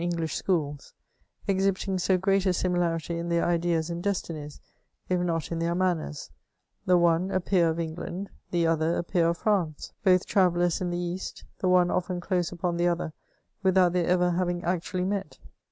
431 English schools — exhibiting so great a similarity in tiieir ideas and destinies — if not in their maimers ; the one a Peer of England, the other a Peer of France ; both travellers in the East ; the one often close upon the other, without their ever having actually met.